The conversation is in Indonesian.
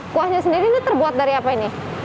kuahnya sendiri ini terbuat dari apa ini